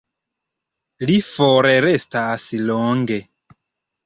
Li forrestas longe.